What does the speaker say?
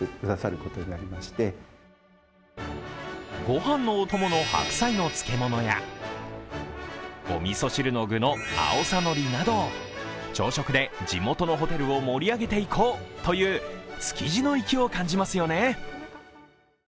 御飯のお供の白菜の漬物やおみそ汁の具の青さのりなど朝食で地元のホテルを盛り上げていこうという築地の粋を感じますよね。